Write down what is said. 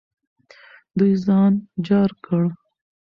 دوی ځان جار کړ.